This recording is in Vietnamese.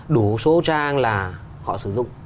đủ số trang là họ sử dụng